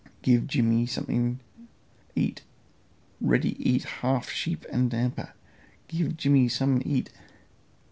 Give Jimmy something eat. Ready eat half sheep and damper. Give Jimmy some eat."